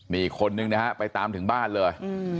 มีอีกคนนึงไปตามถึงบ้านเลย